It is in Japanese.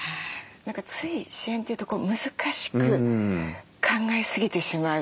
何かつい支援というと難しく考えすぎてしまう。